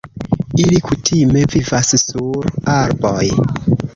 Ili kutime vivas sur arboj.